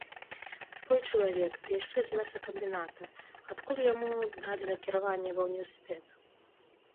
Свой чалавек, ды яшчэ з мясакамбіната, адкуль яму далі накіраванне ва ўніверсітэт!